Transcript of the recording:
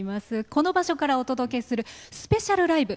この場所からお届けするスペシャルライブ。